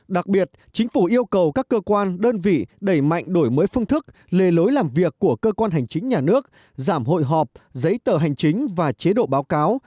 đặc biệt chính phủ yêu cầu các cơ quan đơn vị đẩy mạnh đổi mới phương thức lề lối làm việc của cơ quan hành chính nhà nước giảm hội họp giấy tờ hành chính và chế độ báo cáo